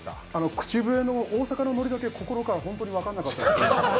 口笛の、大阪のノリだけ心から本当に分からなかった。